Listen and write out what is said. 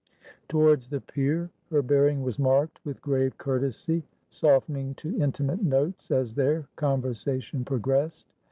Towards the peer her bearing was marked with grave courtesy, softening to intimate notes as their conversation progressed.